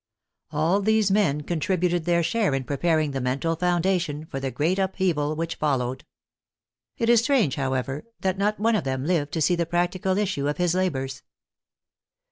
All these men contributed their share in preparing the mental foundation for the great upheaval which followed. It is strange, however, that not one of them lived to see the practical issue of his labors.